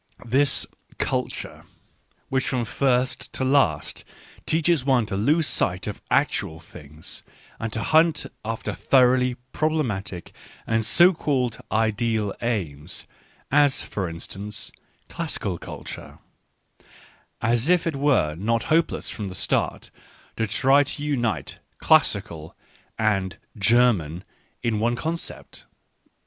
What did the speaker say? This "culture," which from first to last teaches one to lose sight of actual things and to hunt after thoroughly problematic and so called ideal aims, as, for instance, " classical culture "— as if it were not hopeless from the start to try to unite *" classical " and " German " in one concept.